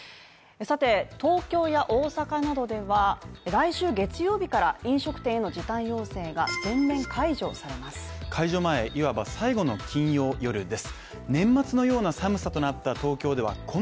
東京や大阪などでは来週月曜日から飲食店への時短要請が全面解除されます解除前、いわば最後の金曜夜です